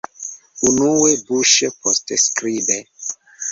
Unue buŝe, poste skribe.